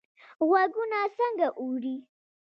غوږونه څنګه اوري؟